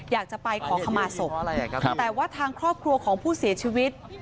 อยากจะไปขอขมาศพแต่ว่าทางครอบครัวของผู้เสียชีวิต